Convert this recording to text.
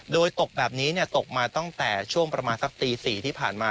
โดยตกแบบนี้ตกมาตั้งแต่ช่วงประมาณสักตี๔ที่ผ่านมา